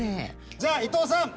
じゃあ伊藤さん